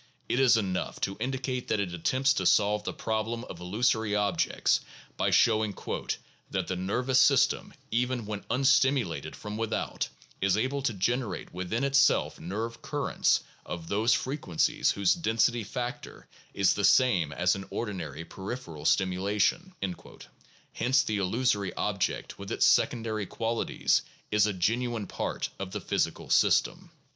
It is enough to indicate that it attempts to solve the problem of illusory objects by showing "that the nervous system, even when unstimulated from without, is able to generate within itself nerve currents of those frequencies whose density factor is the same as in ordinary peripheral stimulation (p. 352) ; hence the illu sory object with its secondary qualities is a genuine part of the physical system.